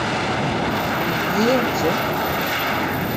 Марйиэмжӹ?!